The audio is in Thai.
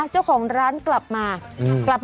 เจ้าของร้านกลับมา